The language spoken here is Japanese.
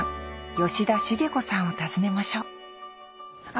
吉田茂子さんを訪ねましょうあ！